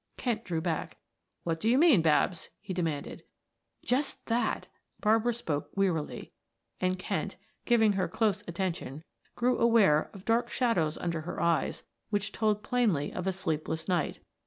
Kent drew back. "What do you mean, Babs?" he demanded. "Just that," Barbara spoke wearily, and Kent, giving her close attention, grew aware of dark shadows under her eyes which told plainly of a sleepless night.